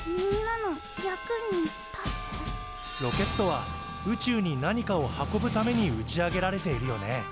ロケットは宇宙に何かを運ぶために打ち上げられているよね。